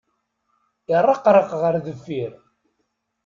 Irreqraq ɣer deffir.